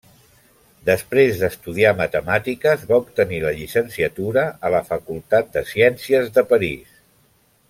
Després d'estudiar matemàtiques, va obtenir la llicenciatura a la facultat de Ciències de Paris.